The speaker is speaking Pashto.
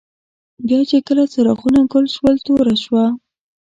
بیا چي کله څراغونه ګل شول، توره شوه.